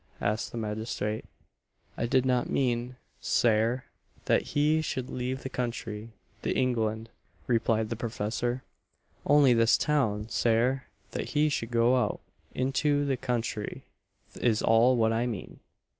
asked the magistrate. "I did not mean, Sare, that he should leave the country the England," replied the professor, "only this town, Sare that he should go out into the country, is all what I mean."